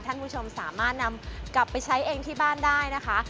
คุณผู้ชมสามารถนำกลับไปใช้เองที่บ้านได้นะคะ